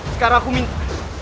sekarang aku minta